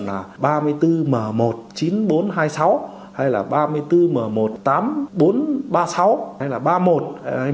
là ba mươi tư mờ một chín bốn hai sáu hay là ba mươi tư mờ một tám bốn ba sáu hay là ba một hay